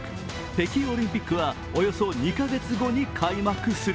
北京オリンピックはおよそ２カ月後に開幕する。